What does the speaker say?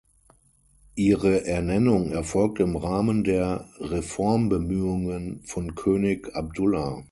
Ihre Ernennung erfolgte im Rahmen der Reformbemühungen von König Abdullah.